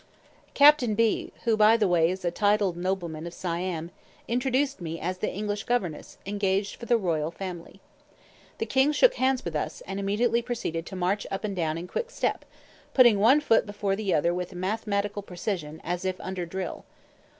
Captain B (who, by the by, is a titled nobleman of Siam) introduced me as the English governess, engaged for the royal family. The king shook hands with us, and immediately proceeded to march up and down in quick step, putting one foot before the other with mathematical precision, as if under drill.